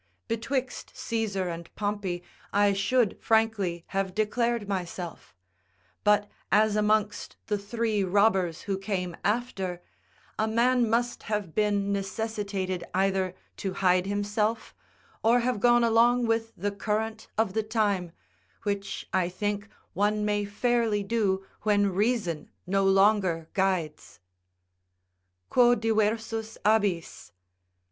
Betwixt Caesar and Pompey, I should frankly have declared myself; but, as amongst the three robbers who came after, [Octavius, Mark Antony, and Lepidus.] a man must have been necessitated either to hide himself, or have gone along with the current of the time, which I think one may fairly do when reason no longer guides: "Quo diversus abis?"